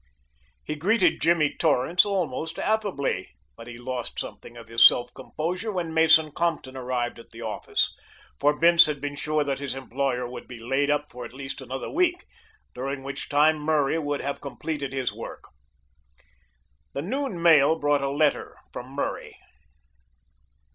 He greeted Jimmy Torrance almost affably, but he lost something of his self composure when Mason Compton arrived at the office, for Bince had been sure that his employer would be laid up for at least another week, during which time Murray would have completed his work. The noon mail brought a letter from Murray.